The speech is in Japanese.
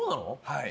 はい。